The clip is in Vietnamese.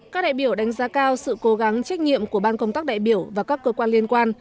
các đại biểu đánh giá cao sự cố gắng trách nhiệm của ban công tác đại biểu và các cơ quan liên quan